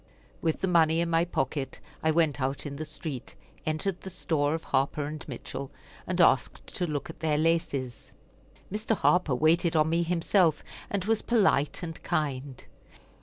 With the money in my pocket I went out in the street, entered the store of Harper & Mitchell, and asked to look at their laces. Mr. Harper waited on me himself, and was polite and kind.